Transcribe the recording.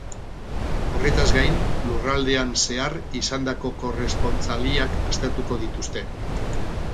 Horretaz gain, lurraldean zehar izandako korrespontsaliak aztertuko dituzte.